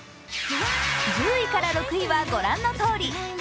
１０位から６位は御覧のとおり。